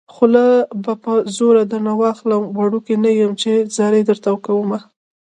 خوله به په زوره درنه واخلم وړوکی نه يم چې ځاري درته کومه